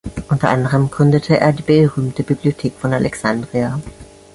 Unter anderem gründete er die berühmte Bibliothek von Alexandria.